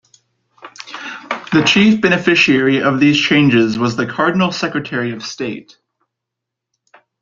The chief beneficiary of these changes was the Cardinal Secretary of State.